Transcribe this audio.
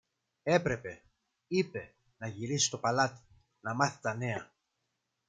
Έπρεπε, είπε, να γυρίσει στο παλάτι, να μάθει τα νέα.